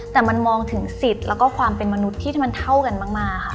แต่มันมองถึงสิทธิ์แล้วก็ความเป็นมนุษย์ที่มันเท่ากันมากค่ะ